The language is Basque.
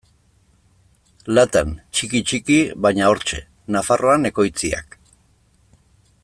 Latan, txiki-txiki, baina hortxe: Nafarroan ekoitziak.